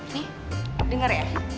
nih denger ya